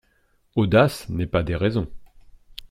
Audace n'est pas déraison